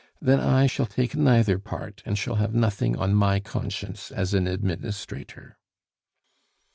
Then I shall take neither part, and shall have nothing on my conscience as an administrator."